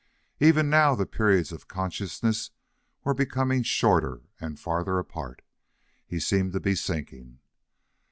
Even now the periods of consciousness were becoming shorter and farther apart. He seemed to be sinking.